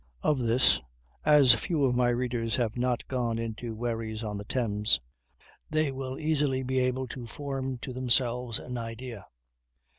Of this, as few of my readers have not gone into wherries on the Thames, they will easily be able to form to themselves an idea.